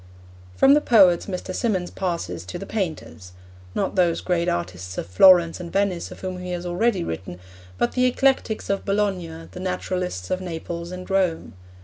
From the poets Mr. Symonds passes to the painters: not those great artists of Florence and Venice of whom he has already written, but the Eclectics of Bologna, the Naturalists of Naples and Rome.